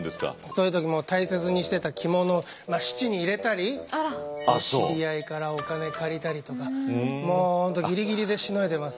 そういう時もう大切にしてた着物を質に入れたり知り合いからお金借りたりとかもう本当ギリギリでしのいでます。